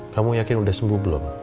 kamu yakin sudah sembuh belum